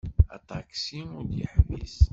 Aṭaksi ur d-yeḥbis.